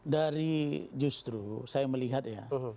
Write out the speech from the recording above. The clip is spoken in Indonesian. dari justru saya melihat ya